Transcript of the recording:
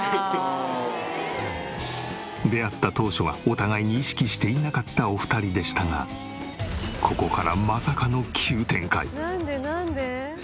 出会った当初はお互いに意識していなかったお二人でしたがここからまさかの急展開。